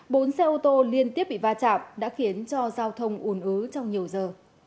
bốn xe ô tô liên tiếp bị va chạm đã khiến cho giao thông ủn ứ trong nhiều giờ